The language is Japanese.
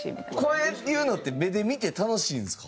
こういうのって目で見て楽しいんですか？